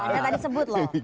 saya tadi sebut loh